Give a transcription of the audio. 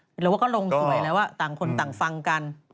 หรือว่าก็ลงสวยแล้วต่างคนต่างฟังกัน